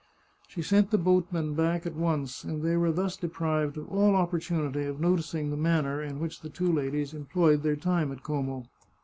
She sent the boatmen back at once, and they were thus deprived of all opportunity of noticing the manner in which the two ladies employed their time at Como.